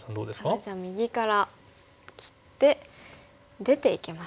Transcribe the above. それじゃあ右から切って出ていけますかね。